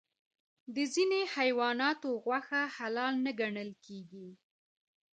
د ځینې حیواناتو غوښه حلال نه ګڼل کېږي.